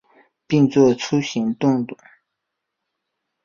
并做出行动